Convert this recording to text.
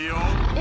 え？